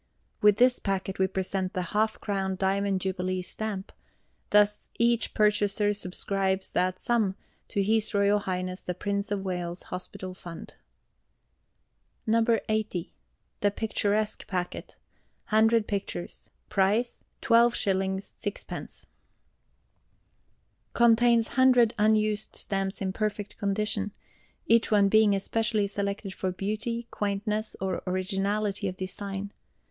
With this packet we present the Half crown Diamond Jubilee Stamp; thus each purchaser subscribes that sum to H.R.H. the Prince of Wales' Hospital Fund. No. 80. The "Picturesque" Packet. 100 Pictures. Price 12s. 6d. Contains 100 Unused Stamps in perfect condition, each one being especially selected for beauty, quaintness, or originality of design.